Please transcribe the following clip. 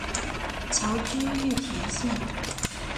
侨居玉田县。